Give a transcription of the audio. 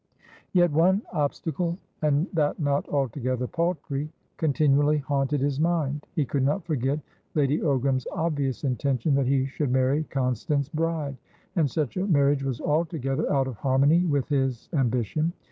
Yet one obstacle, and that not altogether paltry, continually haunted his mind. He could not forget Lady Ogram's obvious intention that he should marry Constance Bride; and such a marriage was altogether out of harmony with his ambition.